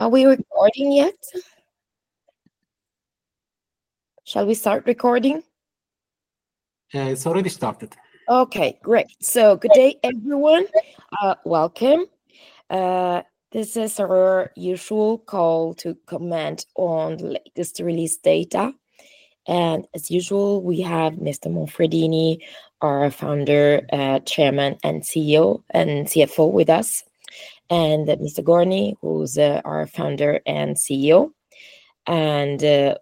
Are we recording yet? Shall we start recording? It's already started. Okay, great. So good day, everyone. Welcome. This is our usual call to comment on the latest release data, and as usual, we have Mr. Monfredini, our founder, chairman, and CEO and CFO with us, and Mr. Gorni, who's our founder and CEO.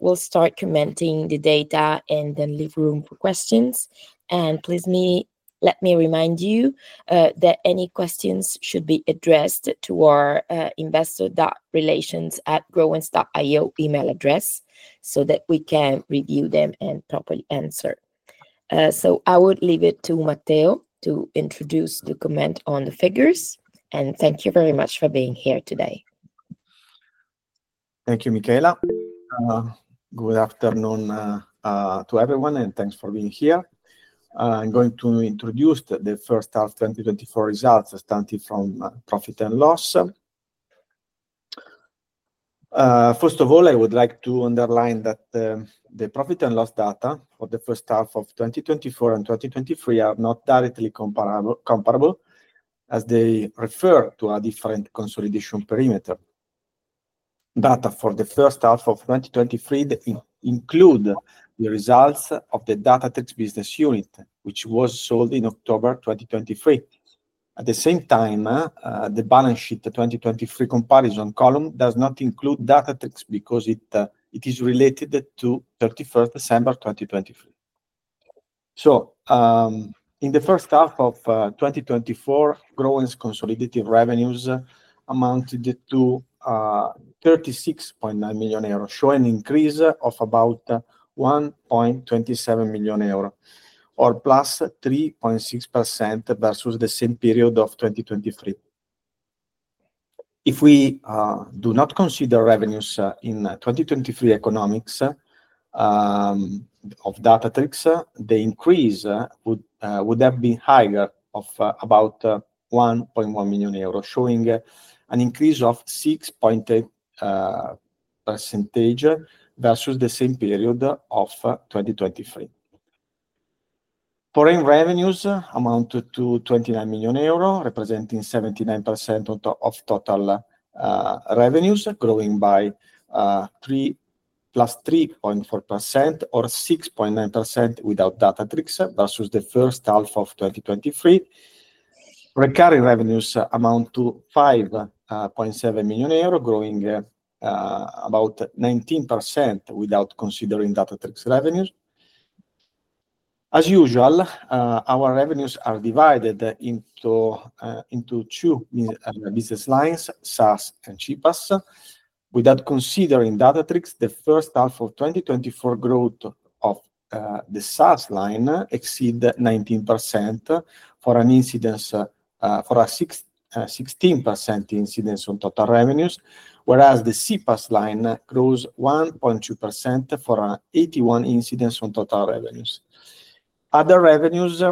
We'll start commenting the data and then leave room for questions. Please let me remind you that any questions should be addressed to our investor.relations@growens.io email address, so that we can review them and properly answer. I would leave it to Matteo to introduce the comment on the figures, and thank you very much for being here today. Thank you, Micaela. Good afternoon to everyone, and thanks for being here. I'm going to introduce the first half twenty twenty-four results, starting from profit and loss. First of all, I would like to underline that the profit and loss data for the first half of twenty twenty-four and twenty twenty-three are not directly comparable as they refer to a different consolidation perimeter. Data for the first half of twenty twenty-three include the results of the Datatrics business unit, which was sold in October twenty twenty-three. At the same time, the balance sheet, the twenty twenty-three comparison column, does not include Datatrics because it is related to 31 December, 2023. In the first half of 2024, Growens' consolidated revenues amounted to 36.9 million euros, showing increase of about 1.27 million euros, or +3.6% versus the same period of 2023. If we do not consider revenues in 2023 economics of Datatrics, the increase would have been higher, of about 1.1 million euros, showing an increase of 6.8% versus the same period of 2023. Foreign revenues amounted to 29 million euros, representing 79% of total revenues, growing by +3.4%, or 6.9% without Datatrics versus the first half of 2023. Recurring revenues amount to 5.7 million euro, growing about 19% without considering Datatrics revenues. As usual, our revenues are divided into two business lines, SaaS and CPaaS. Without considering Datatrics, the first half of 2024 growth of the SaaS line exceed 19% for a 16% incidence on total revenues, whereas the CPaaS line grows 1.2% for an 81% incidence on total revenues. Other revenues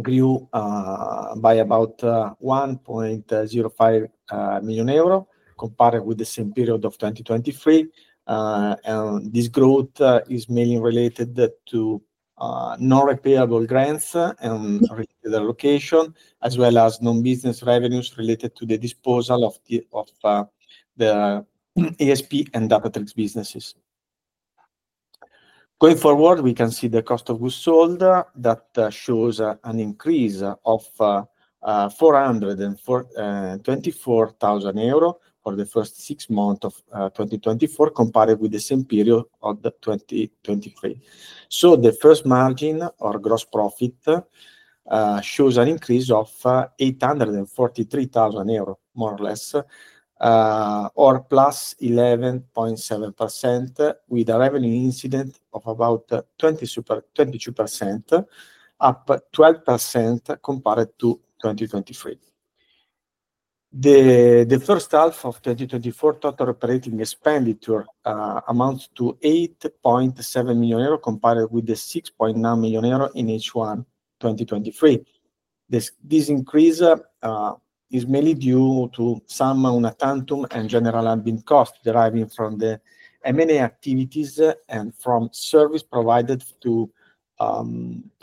grew by about 1.05 million euro, compared with the same period of 2023, and this growth is mainly related to non-repayable grants and reallocation, as well as non-business revenues related to the disposal of the ESP and Datatrics businesses. Going forward, we can see the cost of goods sold that shows an increase of 424 thousand euro for the first six months of 2024, compared with the same period of 2023. The first margin or gross profit shows an increase of 843 thousand euro, more or less, or plus 11.7%, with a revenue incident of about 22%, up 12% compared to 2023. The first half of 2024, total operating expenditure amounts to 8.7 million euro, compared with the 6.9 million euro in H1 2023. This increase is mainly due to some una tantum and general admin costs deriving from the M&A activities and from service provided to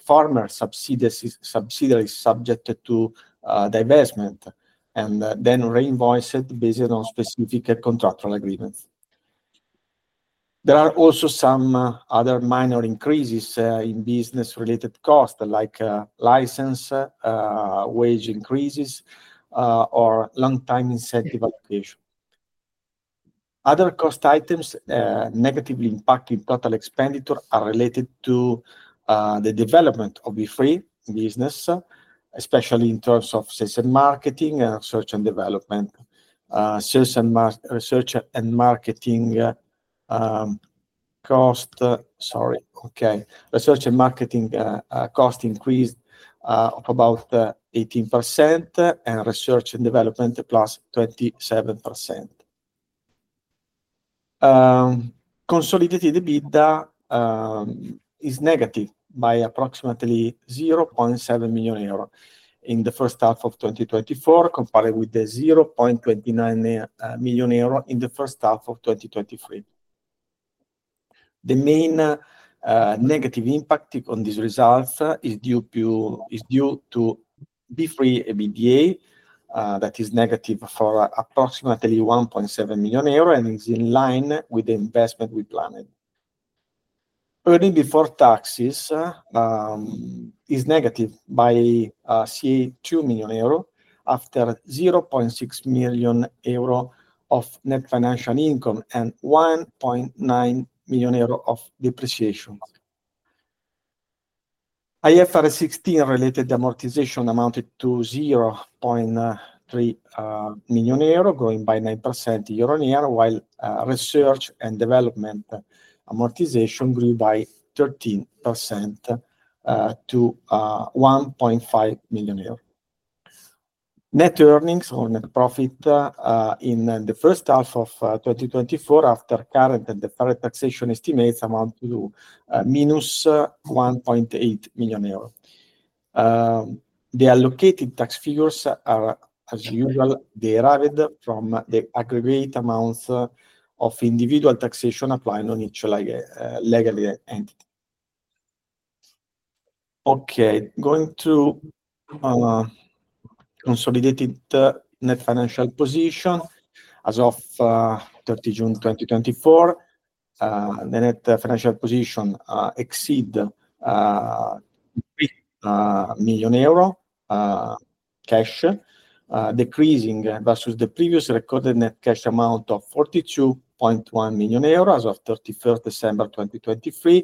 former subsidiaries subjected to divestment, and then reinvoiced based on specific contractual agreements. There are also some other minor increases in business-related costs, like license, wage increases, or long-term incentive allocation. Other cost items negatively impacting total expenditure are related to the development of the Beefree business, especially in terms of sales and marketing, research and development. Research and marketing cost increased of about 18%, and research and development plus 27%. Consolidated EBITDA is negative by approximately 0.7 million euro in the first half of 2024, compared with the 0.29 million euro in the first half of 2023. The main negative impact on these results is due to Beefree EBITDA that is negative for approximately 1.7 million euro, and is in line with the investment we planned. Earnings before taxes is negative by 2 million euro, after 0.6 million euro of net financial income and 1.9 million euro of depreciation. IFRS 16 related amortization amounted to 0.3 million euro, growing by 9% year-on-year, while research and development amortization grew by 13% to 1.5 million euros. Net earnings or net profit in the first half of twenty twenty-four, after current and deferred taxation estimates amount to minus 1.8 million euros. The allocated tax figures are, as usual, derived from the aggregate amounts of individual taxation applying on each legal entity. Okay, going to consolidated net financial position. As of thirty June 2024, the net financial position exceed three million euro cash, decreasing versus the previous recorded net cash amount of 42.1 million euros as of thirty-first December 2023,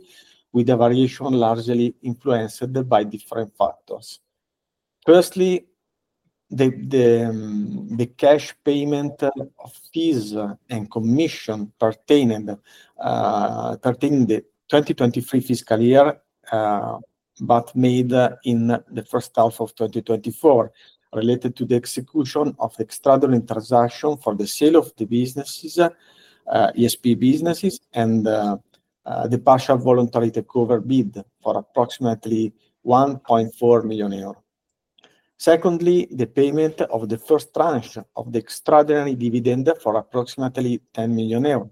with the variation largely influenced by different factors. Firstly, the cash payment of fees and commission pertaining to the 2023 fiscal year, but made in the first half of 2024, related to the execution of extraordinary transaction for the sale of the businesses, ESP businesses, and the partial voluntary takeover bid for approximately 1.4 million euro. Secondly, the payment of the first tranche of the extraordinary dividend for approximately 10 million euros.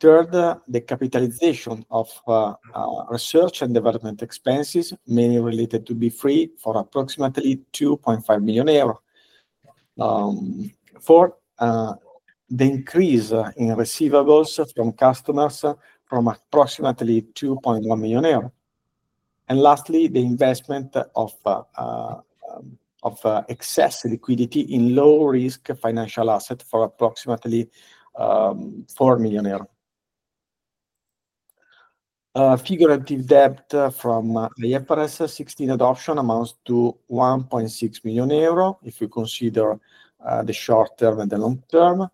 Third, the capitalization of research and development expenses, mainly related to Beefree, for approximately 2.5 million euros. Four, the increase in receivables from customers from approximately 2.1 million euros. And lastly, the investment of excess liquidity in low-risk financial asset for approximately 4 million euros. Financial debt from the IFRS 16 adoption amounts to 1.6 million euro, if you consider the short term and the long term.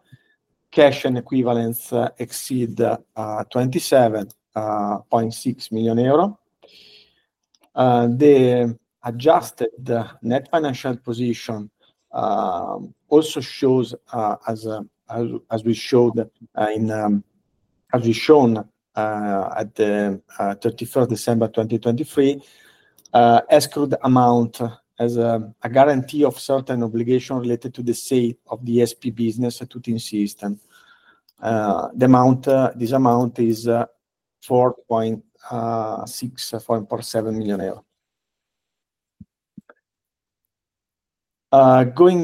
Cash and equivalents exceed 27.6 million euro. The adjusted net financial position also shows, as we showed at the thirty-first December 2023, escrowed amount as a guarantee of certain obligation related to the sale of the ESP business to TeamSystem. The amount, this amount is six point four EUR 7 million. Going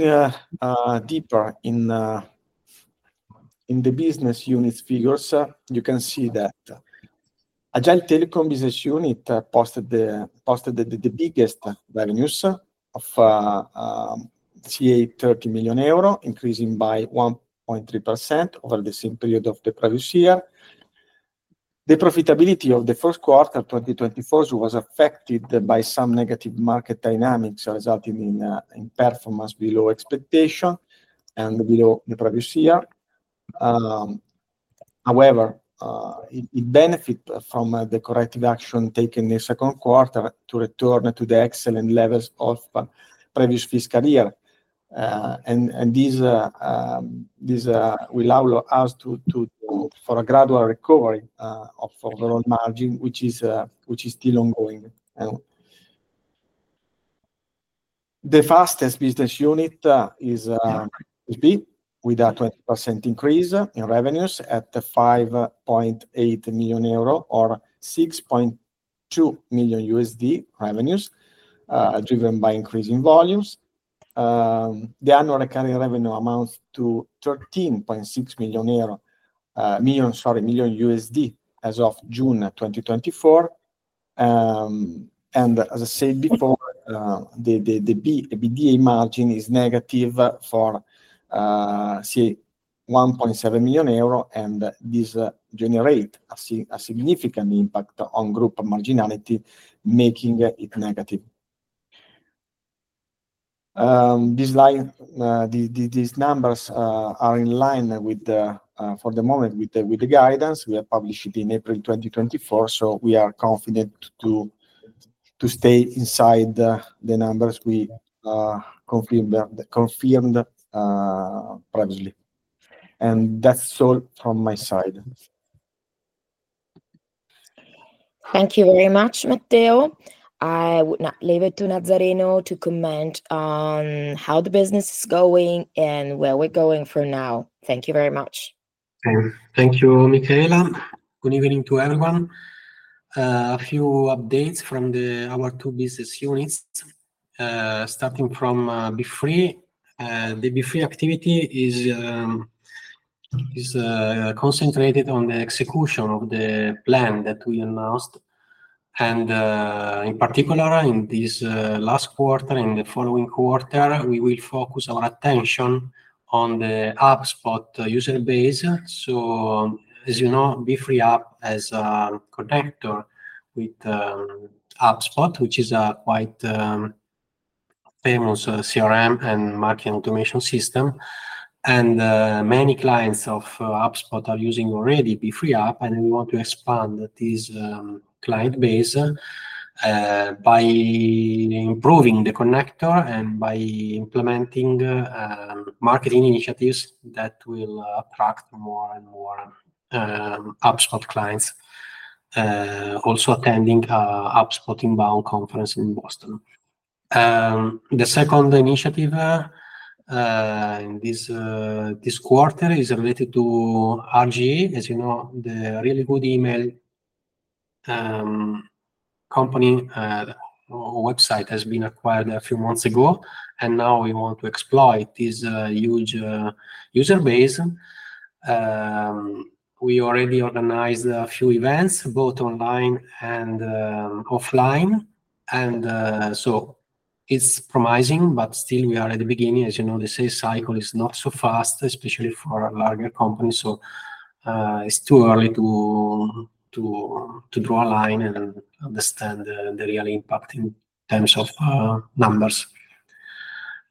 deeper in the business units figures, you can see that Agile Telecom business unit posted the biggest revenues of circa 30 million euro, increasing by 1.3% over the same period of the previous year. The profitability of the Q1 2024 was affected by some negative market dynamics, resulting in performance below expectation and below the previous year. However, it benefit from the corrective action taken in the Q2 to return to the excellent levels of previous fiscal year. And this will allow us to for a gradual recovery of overall margin, which is still ongoing. The fastest business unit is Bee, with a 20% increase in revenues at the 5.8 million euro, or $6.2 million revenues, driven by increasing volumes. The annual recurring revenue amounts to 13.6 million euro, sorry, $13.6 million USD, as of June 2024. And as I said before, the Bee EBITDA margin is negative for, say, 1.7 million euro, and this generates a significant impact on group marginality, making it negative. These numbers are in line with the, for the moment, with the guidance we have published in April 2024, so we are confident to stay inside the numbers we confirmed previously. That's all from my side. Thank you very much, Matteo. I would now leave it to Nazzareno to comment on how the business is going and where we're going from now. Thank you very much. Thank you, Micaela. Good evening to everyone. A few updates from our two business units, starting from Beefree. The Beefree activity is concentrated on the execution of the plan that we announced. In particular, in this last quarter, in the following quarter, we will focus our attention on the HubSpot user base. As you know, Beefree app has a connector with HubSpot, which is a quite famous CRM and marketing automation system, and many clients of HubSpot are using already Beefree app, and we want to expand this client base by improving the connector and by implementing marketing initiatives that will attract more and more HubSpot clients, also attending a HubSpot Inbound conference in Boston. The second initiative in this quarter is related to RGE. As you know, the Really Good Emails company website has been acquired a few months ago, and now we want to exploit this huge user base. We already organized a few events, both online and offline, and so it's promising, but still we are at the beginning. As you know, the sales cycle is not so fast, especially for larger companies, so it's too early to draw a line and understand the real impact in terms of numbers.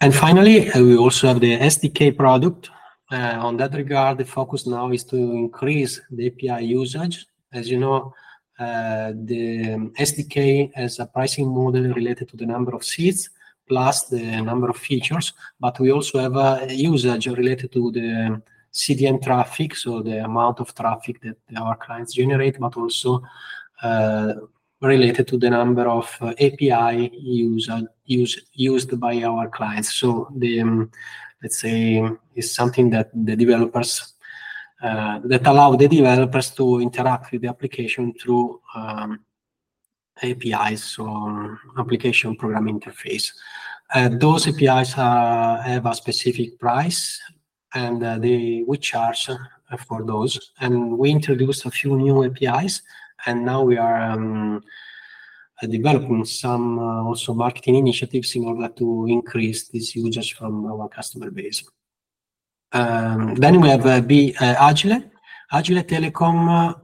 And finally, we also have the SDK product. On that regard, the focus now is to increase the API usage. As you know, the SDK has a pricing model related to the number of seats, plus the number of features, but we also have a usage related to the CDN traffic, so the amount of traffic that our clients generate, but also related to the number of API uses used by our clients. So the, let's say, is something that allows the developers to interact with the application through APIs, or application program interface. Those APIs have a specific price, and we charge for those. And we introduced a few new APIs, and now we are developing some also marketing initiatives in order to increase this usage from our customer base. Then we have Agile Telecom,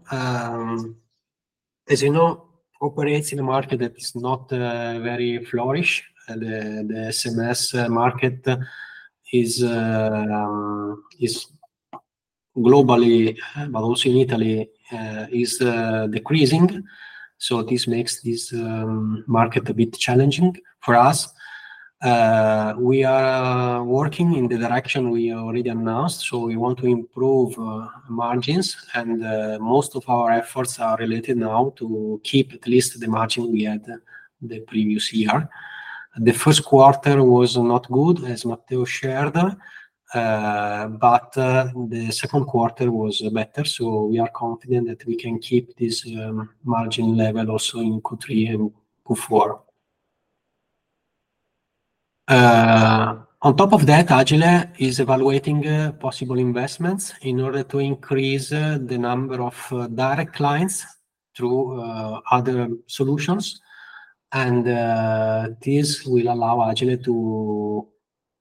as you know, operates in a market that is not very flourishing. The SMS market is globally, but also in Italy, is decreasing, so this makes this market a bit challenging for us. We are working in the direction we already announced, so we want to improve margins, and most of our efforts are related now to keep at least the margin we had the previous year. The Q1 was not good, as Matteo shared, but the Q2 was better, so we are confident that we can keep this margin level also in Q3 and Q4. On top of that, Agile is evaluating possible investments in order to increase the number of direct clients through other solutions. And this will allow Agile to,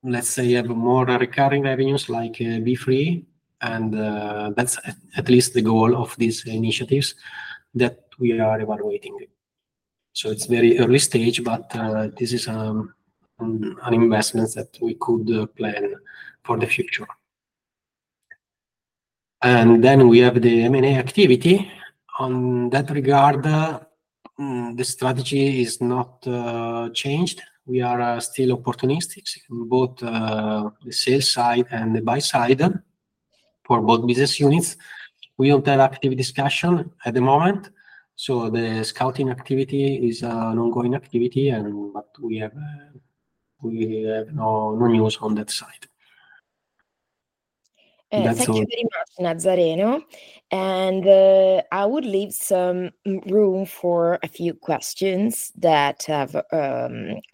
let's say, have more recurring revenues like Beefree, and that's at least the goal of these initiatives that we are evaluating. So it's very early stage, but this is an investment that we could plan for the future. And then we have the M&A activity. On that regard, the strategy is not changed. We are still opportunistic in both the sell side and the buy side for both business units. We don't have active discussion at the moment, so the scouting activity is an ongoing activity, but we have no news on that side. That's all. Thank you very much, Nazzareno, and I would leave some room for a few questions that have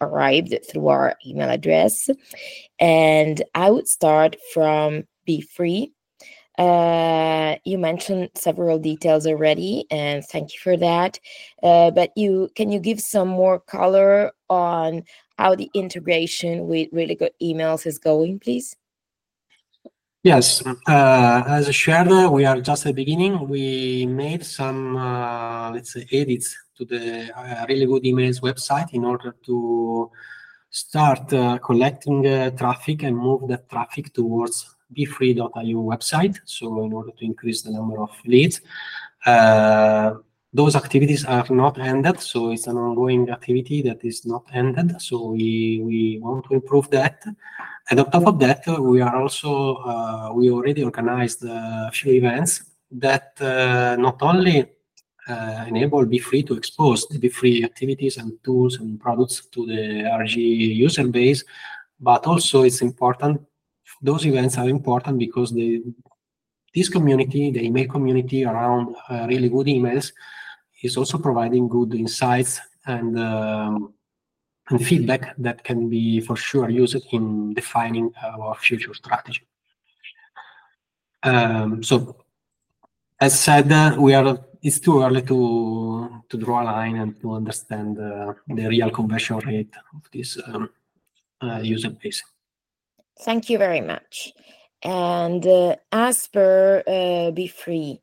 arrived through our email address, and I would start from Beefree. You mentioned several details already, and thank you for that. But you... Can you give some more color on how the integration with Really Good Emails is going, please? Yes. As I shared, we are just at the beginning. We made some, let's say, edits to the Really Good Emails website in order to start collecting traffic and move that traffic towards Beefree.eu website, so in order to increase the number of leads. Those activities have not ended, so it's an ongoing activity that is not ended, so we want to improve that, and on top of that, we already organized a few events that not only enable Beefree to expose the Beefree activities and tools and products to the RG user base, but also it's important. Those events are important because this community, the email community around Really Good Emails, is also providing good insights and feedback that can be for sure used in defining our future strategy. So as said, it's too early to draw a line and to understand the real conversion rate of this user base. Thank you very much. And, as per, Beefree,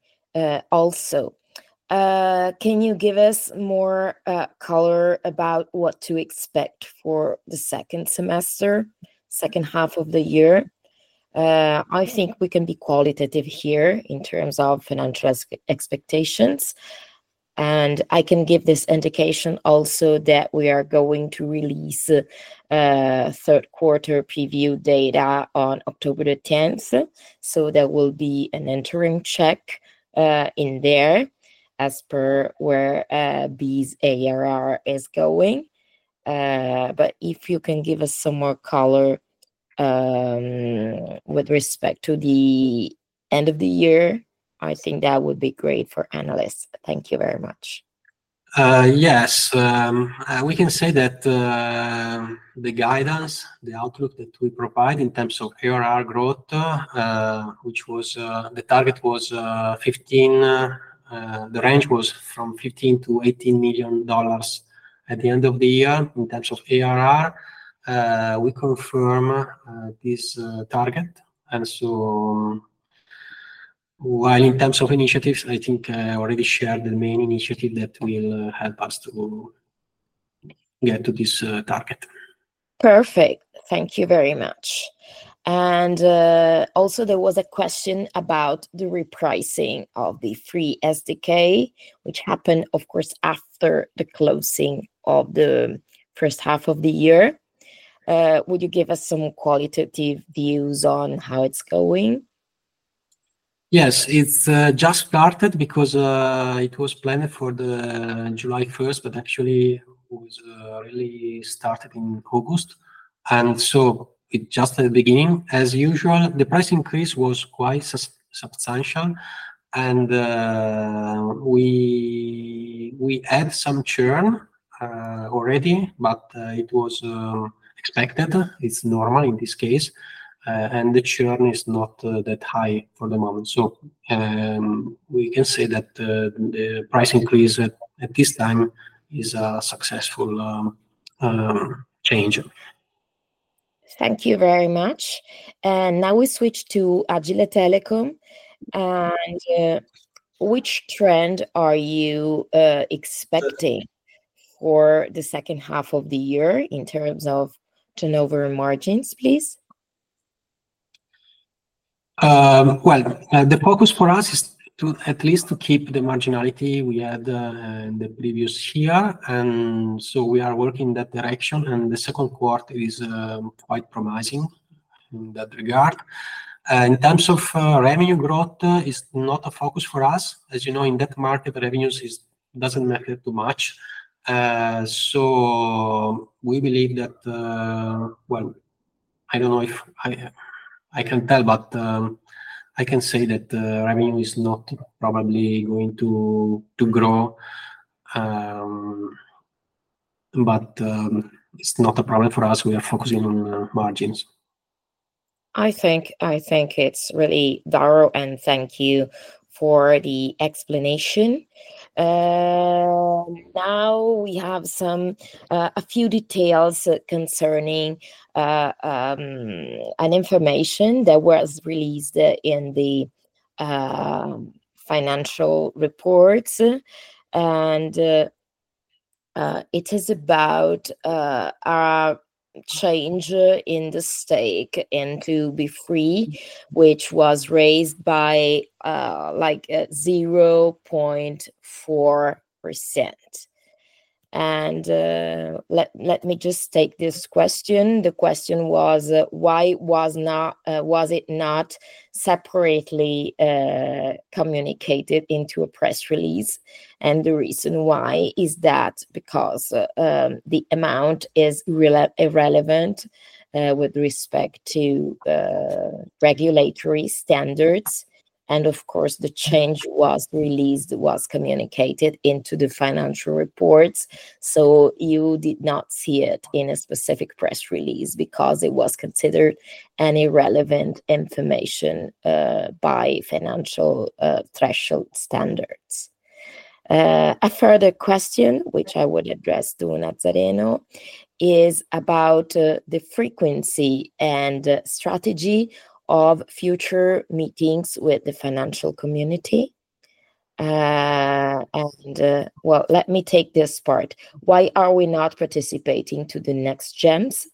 also, can you give us more color about what to expect for the second semester, second half of the year? I think we can be qualitative here in terms of financial expectations, and I can give this indication also that we are going to release Q3 preview data on October the 10th. So there will be an interim check in there as per where Beefree's ARR is going. But if you can give us some more color with respect to the end of the year, I think that would be great for analysts. Thank you very much. Yes. We can say that the guidance, the outlook that we provide in terms of ARR growth, which was the target was 15 the range was from 15 to 18 million dollars at the end of the year in terms of ARR. We confirm this target, and so while in terms of initiatives, I think I already shared the main initiative that will help us to get to this target. Perfect. Thank you very much. And, also there was a question about the repricing of the Beefree SDK, which happened, of course, after the closing of the first half of the year. Would you give us some qualitative views on how it's going? Yes. It's just started because it was planned for July 1st, but actually it was really started in August, and so it's just the beginning. As usual, the price increase was quite substantial, and we had some churn already, but it was expected. It's normal in this case, and the churn is not that high for the moment, so we can say that the price increase at this time is a successful change. Thank you very much. Now we switch to Agile Telecom. Which trend are you expecting for the second half of the year in terms of turnover and margins, please? Well, the focus for us is to at least keep the marginality we had in the previous year, and so we are working in that direction, and the Q2 is quite promising in that regard. In terms of revenue growth, it's not a focus for us. As you know, in that market, revenues is doesn't matter too much. So we believe that well, I don't know if I can tell, but I can say that revenue is not probably going to grow. But it's not a problem for us. We are focusing on margins. I think it's really thorough, and thank you for the explanation. Now we have a few details concerning an information that was released in the financial reports, and it is about a change in the stake in Beefree, which was raised by like 0.4%. Let me just take this question. The question was why was it not separately communicated in a press release? The reason why is that because the amount is irrelevant with respect to regulatory standards, and of course, the change was released, was communicated in the financial reports. You did not see it in a specific press release because it was considered an irrelevant information by financial threshold standards. A further question, which I would address to Nazzareno, is about the frequency and strategy of future meetings with the financial community, and well, let me take this part. Why are we not participating to the Next Gems?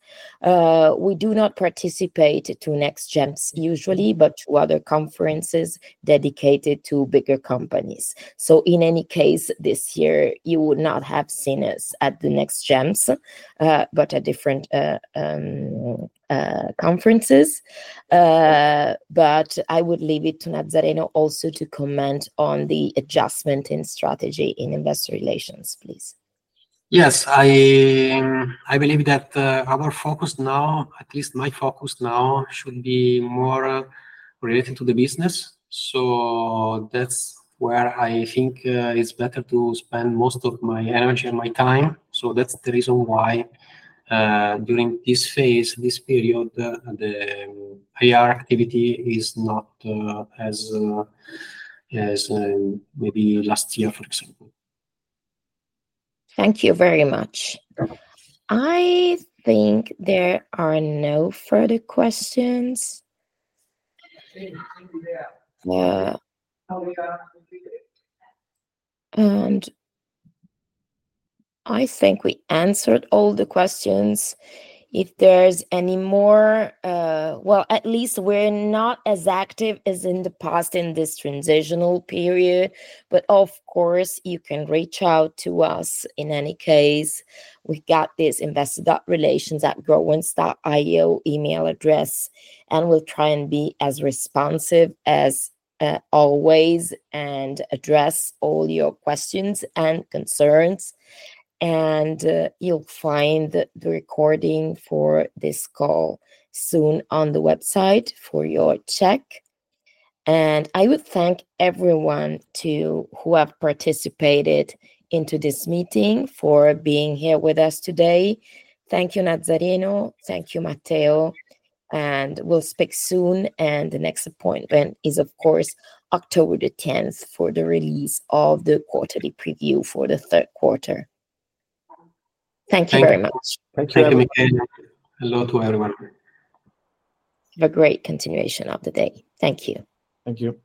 We do not participate to Next Gems usually, but to other conferences dedicated to bigger companies, so in any case, this year you would not have seen us at the Next Gems, but at different conferences, but I would leave it to Nazzareno also to comment on the adjustment in strategy in Investor Relations, please. Yes, I believe that our focus now, at least my focus now, should be more related to the business. So that's where I think it's better to spend most of my energy and my time. So that's the reason why, during this phase, this period, the IR activity is not as maybe last year, for example. Thank you very much. I think there are no further questions. And I think we answered all the questions. If there's any more, well, at least we're not as active as in the past in this transitional period, but of course, you can reach out to us. In any case, we've got this investor.relations@growens.io email address, and we'll try and be as responsive as always, and address all your questions and concerns. And you'll find the recording for this call soon on the website for your check. And I would thank everyone who have participated in this meeting for being here with us today. Thank you, Nazzareno. Thank you, Matteo. And we'll speak soon, and the next appointment is, of course, October the 10th for the release of the quarterly preview for the Q3. Thank you very much. Thank you. Thank you, Micaela. Hello to everyone. Have a great continuation of the day. Thank you. Thank you.